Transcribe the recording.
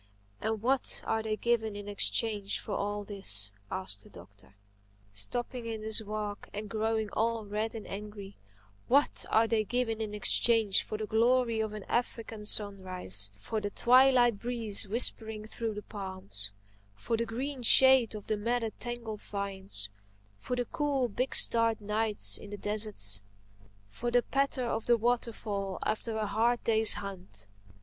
And what are they given in exchange for all this?" asked the Doctor, stopping in his walk and growing all red and angry—"What are they given in exchange for the glory of an African sunrise, for the twilight breeze whispering through the palms, for the green shade of the matted, tangled vines, for the cool, big starred nights of the desert, for the patter of the waterfall after a hard day's hunt?